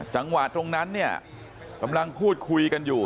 จังหวะตรงนั้นเนี่ยกำลังพูดคุยกันอยู่